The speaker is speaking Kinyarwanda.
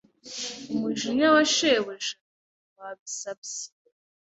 Umujinya wa shebuja wabisabye